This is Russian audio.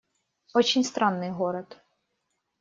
Очень странный город.